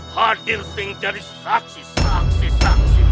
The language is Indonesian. hadir sing jadi sakshi sakshi sakshi